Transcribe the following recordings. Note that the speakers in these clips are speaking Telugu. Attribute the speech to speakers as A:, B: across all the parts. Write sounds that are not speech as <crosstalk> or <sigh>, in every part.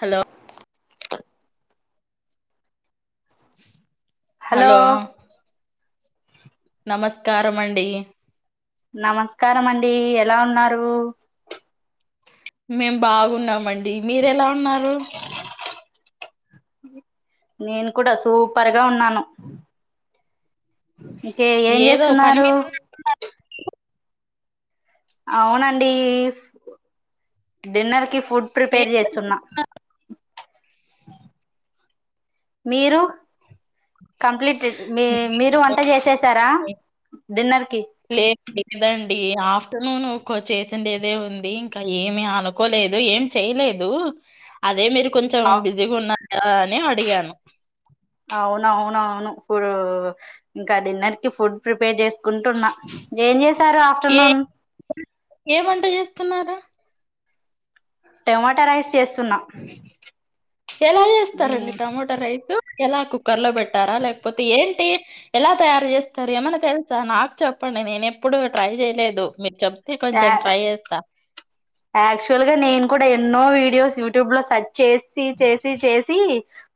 A: హలో
B: హలో
A: నమస్కారాం అండి
B: నమస్కారం అండి ఎలా ఉన్నారు.
A: మేం బాగున్నామండి. మీరు ఎలా ఉన్నారు.
B: నేను కూడా సూపర్గా ఉన్నాను. ఇంకే ఏం
A: ఏదో పని
B: చేస్తున్నారు.
A: మీద ఉన్న
B: అవునండి. డిన్నర్ కి ఫ్ ఫుడ్ ప్రిపేర్ చేస్తున్నా. మీరు కంప్లీట్ మీ మీరు వంట చేసేసారా. డిన్నర్ కి
A: నును్వుకో చేసిందేదే ఉంది. ఇంకా ఏమి అనుకోలేదు ఏమి చేయలేదు. అదే మీరు కొంచెం
B: అవ్
A: బిజిగున్నార్ ఆ నే అడిగాను
B: అవునవునవును పూర్. ఇంకా డిన్నర్ కి ఫుడ్ ప్రిపేర్ చేసుకుంటున్నా. ఏం చేశారు
A: ఏ
B: ఆఫ్టర్నూన్
A: ఏం వంట చేస్తున్నారా
B: ట్యమాటా రైస్ చేస్తున్నా.
A: ఎలా చేస్తారండి టమోటో రైతు ఎలా కుక్కర్ లో పెట్టారా. లేకపోతే ఏంటి ఎలా తయారు చేస్తారు. ఏమన్నా తెలుసా నాకు చెప్పండి. నేను ఎప్పుడు ట్రై చేయలేదు. మీరు చెప్
B: యాక్ యాక్చువల్గా నేను కూడా ఎన్నో వీడియోస్ యూట్యూబ్ లో సర్చ్ చేసి చేసి చేసి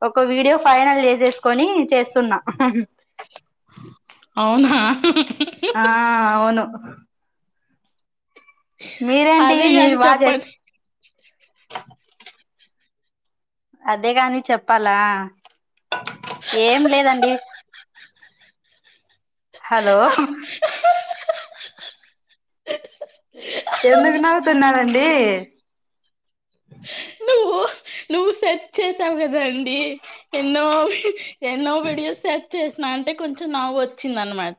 B: ఒక వీడియో ఫైనల్ చేసే కొని చేస్తున్నాం
A: అవునా
B: అవును మీరేంటి
A: అదే గాని
B: మీరు బా చేస్త
A: చెప్పండి
B: అదే కాని చెప్పాలా ఏం లేదండి
A: <inaudible>
B: హలో
A: <inaudible>
B: ఎందుకు నవ్వుతుల్లండి
A: నువ్వు నువ్వు సెర్చ్ చేసావు కదాండి ఎన్నో ఏన్నో వీడియో సర్చ్ చేసిన అంటే కొంచెం నవ్వు వచ్చింది అనమాట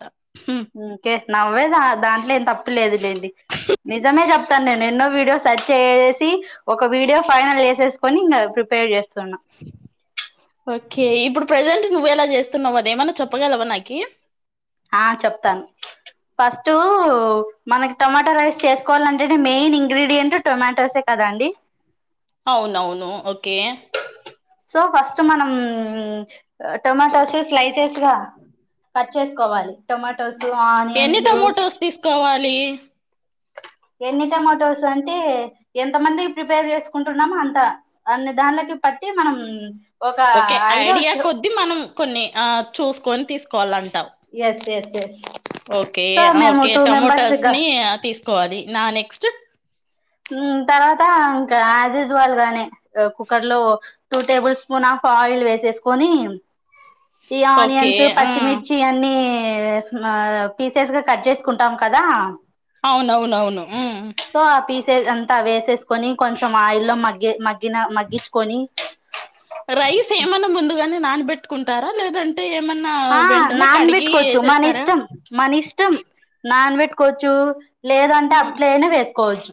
B: కే నవ్వే దాంట్లో ఏం తప్పులేదులేండి నిజమే చెప్తాను నేను ఎన్నో వీడియోస్ సర్చ్ చేసి ఒక వీడియో ఫైనల్ చేసేసుకొని ఇంకా ప్రిపేర్ చేస్త
A: ఓకే ఇప్పుడు ప్రెజెంట్ నువ్ ఎలా చేస్తున్నావు అదేమన్నా చెప్పగలవా నాకి
B: ఆ చెప్తాను ఫస్ట్ మనకి టొమాటో రైస్ చేసుకోవాలంటే మెయిన్ ఇంగ్రీడియంంట్ టొమాటోసే కదండి
A: అవునవును ఓకే
B: సో ఫస్ట్ మనం టమాటోస స్లాయసెస్ కట్ చేసుకోవాలి టొమాటోస్
A: ఎన్ని
B: ఆనియన్స్
A: టొమోటోస్ తీసుకోవాలి లీ
B: ఎన్ని టమటోస్ అంటే ఎంత మందికి ప్రిపేర్ చేసుకుంటున్నామో అంత అన్ని దాంలకి పట్టి మనం ఒక
A: ఓకే ఐడియా కొద్ద్దీ మనం కొన్ని ఆ చూసుకొని తీసుకోవాల
B: yes yes yes
A: okay
B: so మేము
A: ఓకే
B: టూ మెంబర్స్
A: టమోటాస్
B: గా
A: ని తీసు కో అది నా నెక్స్ట్
B: ఉ తర్వాత ఇంకా ఆజిజ్ వాల్ గానే దా కుక్కర్ లో two tablespoon of oil వేసేసుకొని ఈ
A: ఓకే.
B: ఆనియన్స్
A: ఆ!
B: పచ్చిమిర్చి అన్నీ పీసెస్ గా కట్ చేసుకుంటాం కదా
A: అవునవునవును. హ్మ్.
B: సో ఆ పీసేస్ అంతా వేసేసుకోని కొంచెం ఆయిల్లో మగ్ ఏ మత్ గ్గిన మగ్గించుకొని
A: రైస్ ఏమన్నా ముందుగానే నానబెట్టుకుంటారా లేద
B: ఆ నాన్ వెట్ కొచ్చు మన
A: ఏసేస్తారా?
B: ఇష్టం మన ఇష్టం నాన్ వెట్ కొచు లేదంటే అట్లనే వేస్తా కోచ్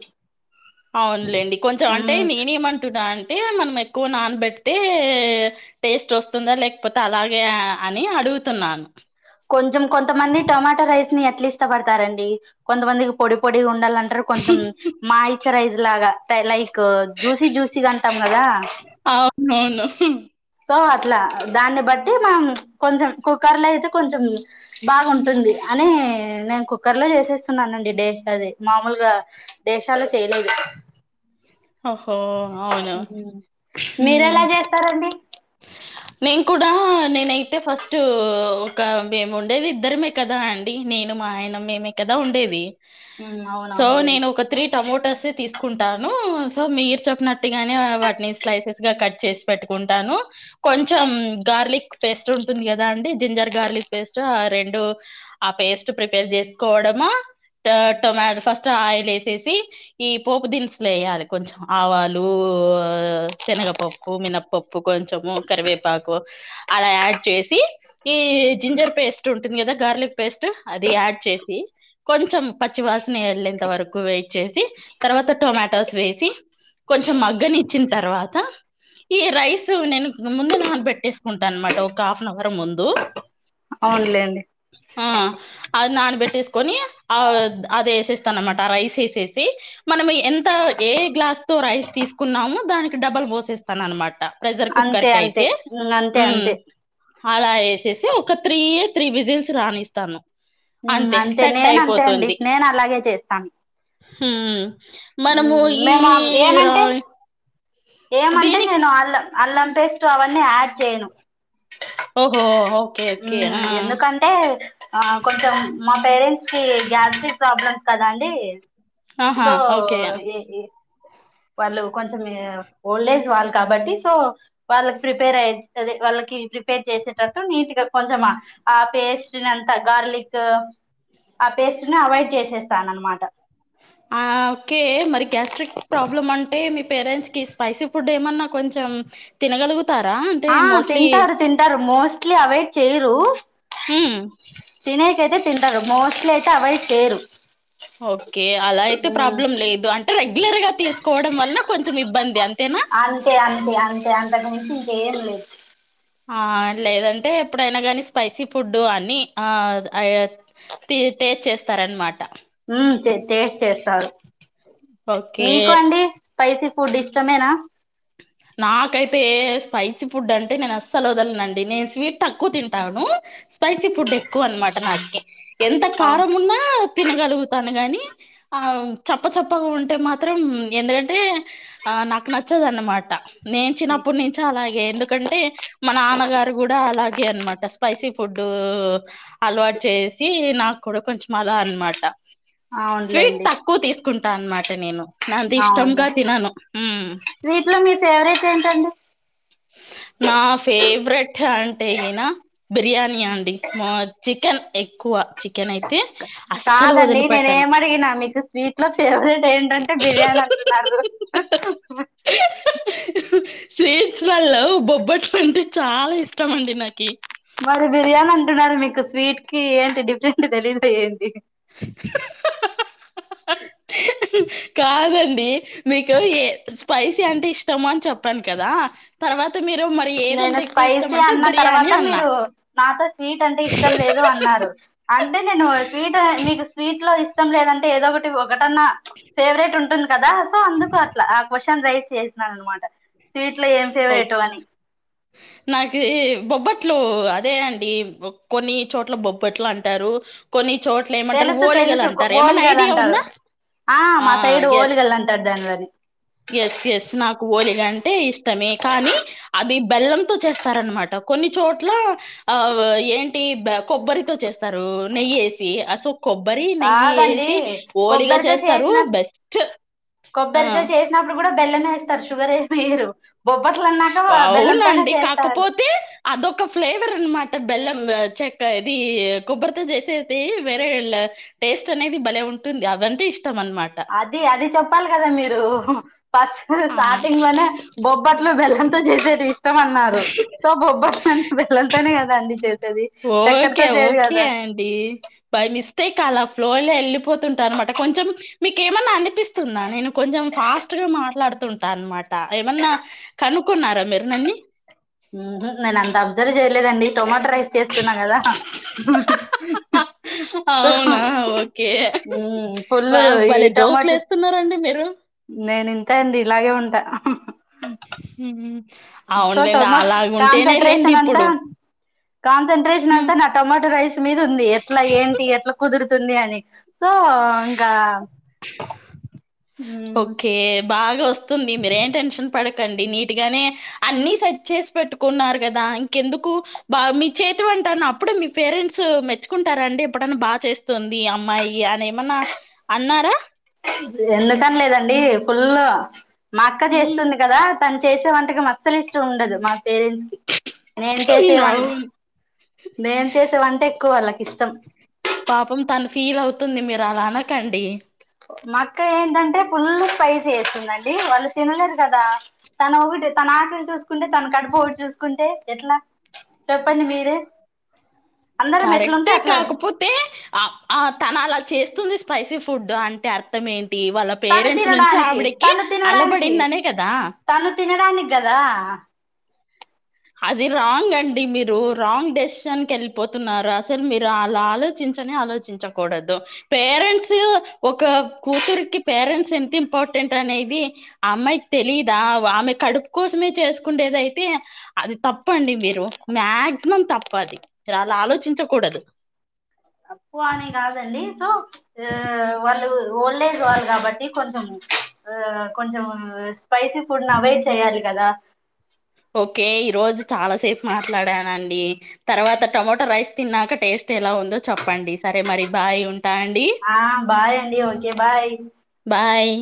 A: అవునులేండి కొంచెం అంటే నేనేమంటున్నాన్ టే ఆన్ మనం ఎక్కువ నానబెడితే టేస్ట్ వస్తుందా లేకపోతే అలాగే అని అడుగుతున్నాను
B: కొంచెం కొంతమంది టమాటా రైస్ ని ఎట్లా ఇష్టపడతారండి కొంతమందికి పొడి పొడిగా ఉండాలంటారు కొంచెం మాయిచ రైజ్ లాగా తైలై కో జ్యూసీ జ్యూసీగా అంటాం గదా
A: నో నో ఉహు
B: సో అట్లా దాన్ని బట్టి మనం కొంచెం కుక్కర్ లో అయితే కొంచెం బాగుంటుంది అని నేను కుక్కర్ లో ఏసేస్తున్నానండి టెస్ట్ అది మామూలుగా దేశాలు చేయలేదు
A: ఓహో అవునవును
B: మీరు ఎలా
A: ఉహ్
B: చేస్తారండి
A: నేను కూడా నేనైతే ఫస్ట్ ఒక మేము ఉండేది ఇద్దరమే కదా అండి నేను మా ఆయన మేమే కదా ఉండేది సో నేను
B: అవునవునులేండి
A: ఒక త్రీ టమోటోస్ తీసుక్ కుంటాను సో మీరు చెప్పినట్టుగానే అవన్నీ స్లైసెస్ గా కట్ చేసి పెట్టుకుంటాను కొంచెం గార్లిక్ పేస్ట్ ఉంటుంది గదా అండి జింజర్ గార్లిక్ పేస్ట్ ఆ రెండు ఆ పేస్ట్ ప్రిపేర్ చేసుకోవడము గద టొమాటో ఫస్ట్ ఆయిల్ వేసేసి ఈ పోపు దినుసులు వేయాలి కొంచెం ఆవాలు శనగపప్పు మినపప్పు కొన్ కొంచెము కరివేపాకు అలా యాడ్ వేసి ఈ జింజర్ పేస్ట్ ఉంటది గదా గార్లిక్ పేస్ట్ యాడ్ చేసి కొంచెం పచ్చివాసన యేళ్లేంతవరకు వెయిట్ చేసి తరువాత టమాటోస్ వేసి కొంచెం మగ్గనిచ్చిన్ తరువాత ఈ రైస్ తు నేను ముందే నాన్ పెట్టేసుకుంటాను అనమాట ఒక హాఫ్ అన్ అవర్ ముందు
B: అవునులేండి అవునులేండి
A: ఆ అది నను వెట్టేసుకొని ఆ అది వేసేస్తానమాట ఆ రైస్ వేసేసి మనం ఎంత ఏ గ్లాస్ తో రైస్ తీసుకున్నామో దానికి డబల్ పోసేస్తాను అనమాట ప్రెషర్
B: అంతే
A: కుక్కర్ కి
B: అంతే
A: అయితే
B: అంతే
A: ఉమ్
B: అంతే
A: అలా వేసేసి ఒక త్రీయ త్రీ విజిల్స్ రాణిస్తాను
B: మ్ అంతే
A: సెట్
B: నేన్ అంతే అండి
A: అయిపోతుంది
B: నేను అలాగే చేస్తాను
A: హ్మ్ మనము ఈ
B: మేము ఏమంటే ఏమంటే
A: దీనికి
B: నేను అల్లం అల్లం పేస్ట్ అవ అన్ని యాడ్ చేయను
A: ఓహోఓ
B: ఎందుకంటే ఆ కొంచెం మామ్ పేరెంట్స్ సి గ్యాస్టిక్ ప్రాబ్లమ్ కదాండి
A: ఆహా ఓకే
B: వాళ్ళు కొంచెం ఓల్డ్ ఏజ్ వాళ్ళు కాబట్టి సో వాళ్ళకి ప్రిపేర్ అయి వాళ్ళకి ప్రిపేర్ చేసేటట్టు నీట్గా కొంచెమా ఆ పేస్ట్ ని అంత గార్లిక్ ఆ పేస్ట్ ని అవాయిడ్ చేసేస్తాను అనమాట
A: ఆ ఓకే మరి గ్యాస్ట్రిక్ ప్రాబ్లమ్ అంటే మీ పేరెంట్స్ కి స్పైసీ ఫుడ్ ఏమన్నా కొంచెం తినగలుగు
B: ఆ తింటారు తింటారు మోస్ ట్లీ అవాయిడ్ చేయరు
A: హ్మ్
B: తినేకైతే తింటాడు మొస్త్ల్య్ అయితే అవాయిడ్ చేయరు
A: ఓకే అలా అయితే ప్రాబ్లం లేదు అంటే రెగ్యులర్ గా తీసుకోవడం వల్ల కొంచెం ఇబ్బంది అంతేనా
B: ఇయా అంతే అంతకుమించి ఇంకా ఏం లేదు
A: ఆ లేదంటే ఎప్పుడైనా కాని స్పైసీ ఫుడ్డు అన్ని ఆ టేస్ట్ చేస్తారనమాట
B: హ్మ్ టేస్ట్ చేస్తారు
A: ఓకే
B: మీకు అండి స్పైసి ఫుడ్ ఇష్టమేనా
A: నాకైతే స్పైసీ ఫుడ్ అంటే నేను అస్సలు వదలనండి నేను స్వీట్ తక్కువ తింటాను స్పైసీ ఫుడ్ ఎక్కువ అనమాట నాకిే ఎంత
B: అవును
A: కారం ఉన్నా తినగలుగుతాను గాని ఆ చప్పచప్పగా ఉంటే మాత్రం ఎందుకంటే ఆ నాకు న నచ్చదు అనమాట నేను చిన్నప్పటి నుంచి అలాగే ఎందుకంటే మా నాన్నగారు కూడా అలా గే అనమాట స్పైసీ ఫుడ్ అలవాటు చేసి నాకు కూడా కొంచెం అలా అనమాట స్వీట్
B: అవునులేండి
A: తక్కువ తీసుకుంటా అన్నమాట అ నేను నంత ఇష్టంగా తినను హ్మ్
B: స్వీట్లో మీ ఫేవరెట్ ఏంటండి
A: నా ఫేవరెట్ అంటేగినా బిర్యానీ నియా అండి మ చికెన్ ఎక్కువ చికెన్ అయి
B: కాదండి నేనే ఏమ అడిగిన మీకు స్వీట్ లో ఫేవరెట్ ఏంటంటే బిర్యానీ అంటున్నారు
A: స్వీ ళ్ళలో బొబ్బట్లు అంటే చాలా ఇష్టం అండి నాకి
B: మరి బిర్యాని అంటునరు మీకు స్ స్వీట్ కి ఏంటి డిఫరెంట్ తెలిదు ఏంటి
A: హిహహహహ
B: <inaudible>
A: హహ కాదండి మీకు ఏ స్పైసీ అంటే ఇష్టము అని చెప్పాను కదా తర్వాత మీ
B: నేను స్పైసీ అన్న తర్వాత
A: అన్నా
B: మీరు నాతో స్వీట్ అంటే ఇష్టం లేదు అన్నారు అంటే నేను స్వీట్ మీకు స్వీట్ లో ఇ లేదంటే ఏదో ఒకటి ఒకటన్నా ఫేవరెట్ ఉంటుంది కదా స అందుకు అట్లా ఆ క్వశ్శన్ రై చేేసినాన్ అన్నమాట ట్వీట్లో ఏం ఫేవరెటో అని
A: నాకుీ బొబ్బట్లు అదే అండి కొన్ని చోట్ల బొబ్బట్లు అంటారు కొన్ని చోట్ల ఏమంటారు
B: తెలుసు
A: ఓలిగలు
B: తెలుసు
A: అంటారు ఏమన్నా
B: ఓలుగల్
A: ఐడియా
B: అంటారు
A: ఉందా
B: ఆ మా సైడ్
A: ఎస్
B: ఓలుగలు అంటారు దానిని
A: ఎస్ ఎస్ నాకు ఓలిగాంటే ఇష్టమే కానీ అది బెల్లంతో చేస్తారనమాట కొన్ని చోట్ల ఆ ఏంటి కొబ్బరితో చేస్తారు నెయ్యేసి అసో కొబ్బరి నెయ్యి
B: కాదండి
A: వేసి ఓలిగా
B: కొబ్బరితో
A: చేస్తారు
B: చేసిన
A: బెస్ట్ ఆ
B: కొబ్బరితో చేసినప్పుడు కూడా బెల్లం ఏ వేస్తారు షుగర్ ఏమి వేయరు బొబ్బట్లు అన్నాక బెల్లంతోనే
A: అవునండి.
B: చేస్తారు.
A: అ బెల్లం చెక్క ఇది కొబ్బరితో చేసేది వేరే టేస్ట్ అనేది భలే ఉంటుంది అదంటే ఇష్టం అనమాట.
B: అది అది చెప్పు చెప్పాలి కదా మీరు ఫస్ట్
A: ఆ!
B: స్టార్టింగ్ లోనే బొబ అప్పట్లో బెల్లంతో చేసేటి ఇష్టం అన్నారు సో బొబ్బట్ బెల్లం తోనే కదా అం చే
A: ఓకే ఓకే అండి బై మిస్టేక్ అలా ఫ్లోలో లో వెళ్ళిపోతుంటా అనమాట కొంచెం మీకేమన్నా అనీ వినిపిస్తుందా నేను కొంచెం ఫాస్ట్ గా మాట్లాడుత ఉంటా అన్నమాట ఆ ఏమన్నా కను కున్నారా మీరు నన్ని
B: నేను అంత అబ్జర్వ్ చేయలేదండి టొమాట రైస్ చేస్తున్న కదా సో
A: అవునా! ఓకే.
B: Full
A: wow!
B: ఈ
A: భలే
B: టమోటా
A: జోకులేస్తున్నారండి మీరు.
B: నేను అంతే అండి ఇలాగే ఉంటా
A: హు
B: సో టొమట
A: లేండి
B: కాన్సెన్ట్రేషన్ అంత
A: ఇప్పుడు
B: కాన్సట్రేషన్
A: హ్మ్
B: అంతా నా టొమోటో రైస్ మీద ఉంది ఎట్లా ఏంటి ఎట్లా కుదురు స్తుంది అని సో ఇంకా
A: ఓకే బాగా వస్త తుంది మీరేం టెన్షన్ పడకండి నీట్ గానే అన్ని సెట్ చేసి పెట్టుకున్నారు కదా ఇంకెందుకు బా మీ చేతి అంటన్న అప్పుడు మీ పేరెంట్స్ మెచ్చుకుంటారా అండి ఎప్పుడన్నా బాగా చేస్తుంది అమ్మాయి అని ఏమన్నా అన్నారా
B: ఎండటం లేదండి ఫుల్ మా అక్క
A: హ్మ్.
B: చేస్తుంది కదా తను చేసే వంటకి అసలు ఇష్టం ఉండదు మకు పేరెంట్స్ కి నేను చేసే
A: అవును
B: నేను చేసే వంట ఎక్కువ వాళ్ళకి ఇష్టం
A: పాపం తన ఫీల్ అవుతుంది మీరు అలా అనకండి.
B: మా అక్క ఏంటంటే పుల్లు స్పైసి వేస్తుందండి వాళ్ళు తినలేరు కదా తన ఒకటి తన ఆకలి చూసుకుంటే తన కడుపు ఒకటి చూసుకుంటే ఎట్లా చెప్పండి మీరే అందరం ఎట్లుంటే
A: కరెక్టే
B: అట్లా
A: కాకపోతే ఆ ఆ తన అలా చేస్త వస్తుంది స్పైసీ ఫుడ్ అంటే అర్థం ఏంటి దీ వాళ్ళ
B: తను
A: పేరెంట్స్ నుంచి
B: తినడానికి
A: ఆవిడకి
B: తను తినడానికి
A: అల్లబడిందనే కదా
B: తను తినడానికి కదా
A: అది రాంగ్ అండి మీరు రాంగ్ డెసిషన్ కెళ్ళిపోతున్నారు అసలు మీరు అలా ఆలోచించనే ఆలోచించకూడదు పేరెంట్స్ ఒక కూతురికి పేరెంట్స్ ఎంత ఇంపార్టెంట్ అనేది అమ్మాయికి తెలిదా ఆమె కడుపు కోసమే చేసుకుండేదయితే అది తప్పండి మీరు మాక్సిమం తప్ప అది మీరు అలా ఆలోచించకూడదు
B: అప్పు అనే కాదండీ సో ఆ వాళ్ళు ఓల్డ్ ఏజ్ వాళ్ళు కాబట్టి కొంచెం ఆ కొంచం స్పైసీ ఫుడ్ ను అవాయిడ్ చేయాలి కదా
A: ఓకే ఈ రోజు చాలాసేపు మాట్లాడానండి తర్వాత టమాటో రైస్ తిన్నాక టేస్ట్ ఎలా ఉందో చెప్పండి సరే మరి బాయ్ ఉం
B: ఆ బాయ్ అండి ఒకే బాయ్
A: బాయ్